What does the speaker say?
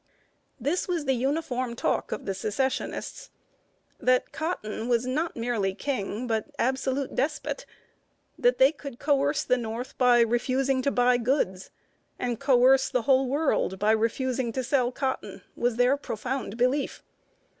This was the uniform talk of Secessionists. That Cotton was not merely King, but absolute despot; that they could coerce the North by refusing to buy goods, and coerce the whole world by refusing to sell cotton, was their profound belief.